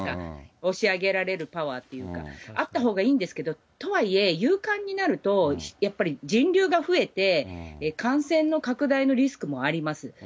押し上げられるパワーっていうか、あったほうがいいんですけど、とはいえ、有観になると、やっぱり人流が増えて、感染の拡大のリスクもあります。